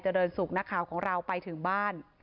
ว่าเด็กเคยจะสุกนะข่าวของเราไปถึงบ้าน